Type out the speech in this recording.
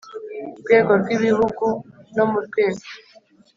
rwego rw Ibihugu no mu rwego